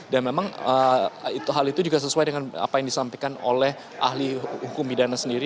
dan memang hal itu juga sesuai dengan apa yang disampaikan oleh ahli hukum pidana sendiri